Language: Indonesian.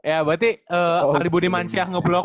ya berarti ali budimansyah ngeblok